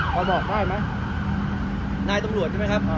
พอบอกได้ไหมนายตำรวจใช่ไหมครับ